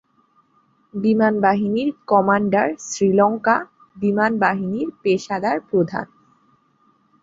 বিমানবাহিনীর commander Sri Lanka বিমানবাহিনীর পেশাদার প্রধান।